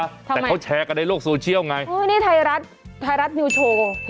แต่เขาแชร์กันในโลกโซเชียลไงเออนี่ไทยรัฐไทยรัฐนิวโชว์